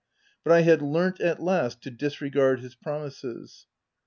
but I had learnt, at last, to disregard his promises.